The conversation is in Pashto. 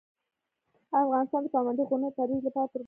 افغانستان د پابندي غرونو د ترویج لپاره پروګرامونه لري.